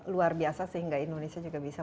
luar biasa sehingga indonesia juga bisa